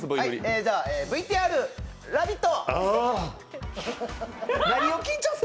じゃ、ＶＴＲ、「ラヴィット！」